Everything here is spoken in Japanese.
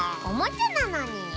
おもちゃなのに？